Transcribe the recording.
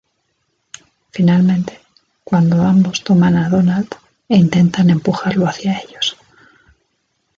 Finalmente, cuando ambos toman a donald e intentan empujarlo hacia ellos.